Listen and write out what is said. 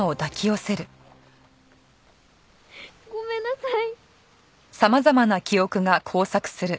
ごめんなさい。